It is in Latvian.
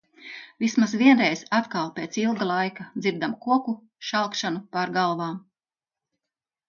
Vismaz vienreiz atkal pēc ilga laika dzirdam koku šalkšanu pār galvām.